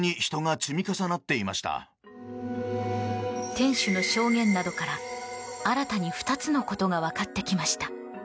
店主の証言などから新たに２つのことが分かってきました。